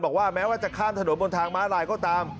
แม้ว่าจะข้ามถนนบนทางม้าลายก็ตาม